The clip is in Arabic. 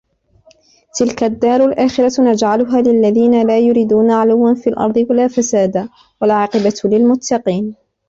تلك الدار الآخرة نجعلها للذين لا يريدون علوا في الأرض ولا فسادا والعاقبة للمتقين